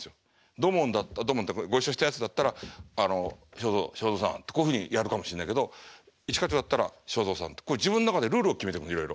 土門ご一緒したやつだったら「あの正蔵さん」ってこういうふうにやるかもしれないけど「一課長」だったら「正蔵さん」って自分の中でルールを決めてくのいろいろ。